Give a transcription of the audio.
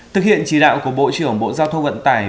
thực hiện chỉ đạo của bộ trưởng bộ giao thông vận tải